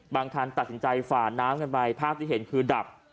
คันตัดสินใจฝ่าน้ำกันไปภาพที่เห็นคือดับ